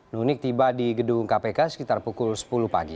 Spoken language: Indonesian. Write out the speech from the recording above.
nunik tiba di gedung kpk sekitar pukul sepuluh pagi